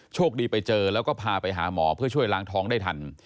โชคดีไปเจอแล้วก็พาไปหาหมอเพื่อช่วยล้างท้องได้ทัน